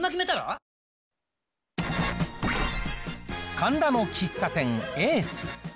神田の喫茶店、エース。